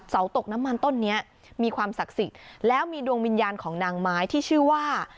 ตกน้ำมันต้นนี้มีความศักดิ์สิทธิ์แล้วมีดวงวิญญาณของนางไม้ที่ชื่อว่า